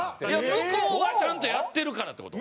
向こうはちゃんとやってるからって事？